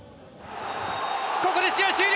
ここで試合終了。